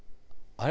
あれ。